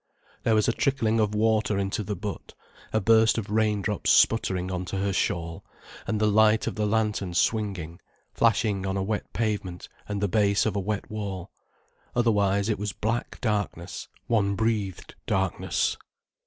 There was a trickling of water into the butt, a burst of rain drops sputtering on to her shawl, and the light of the lantern swinging, flashing on a wet pavement and the base of a wet wall. Otherwise it was black darkness: one breathed darkness.